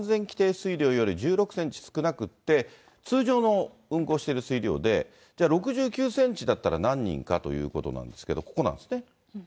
水量より１６センチ少なくって、通常の運航している水量で、じゃあ、６９センチだったら何人かということなんですけど、ここなんですね。